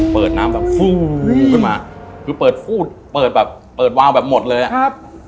เปิดน้ำแบบฟูฟูขึ้นมาคือเปิดฟู้ดเปิดแบบเปิดวาวแบบหมดเลยอ่ะครับ